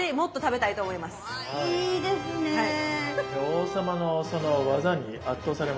王様のその技に圧倒されました。